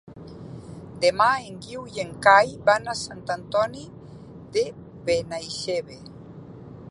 Demà en Guiu i en Cai van a Sant Antoni de Benaixeve.